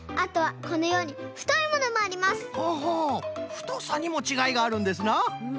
ふとさにもちがいがあるんですな。